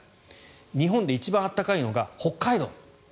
日本で一番暖かいのが北海道。